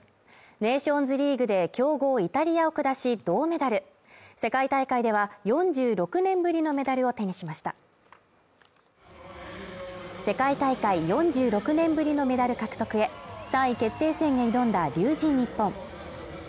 ネーションズリーグで強豪イタリアを下し銅メダル世界大会では４６年ぶりのメダルを手にしました世界大会４６年ぶりのメダル獲得へ３位決定戦に挑んだ龍神ＮＩＰＰＯＮ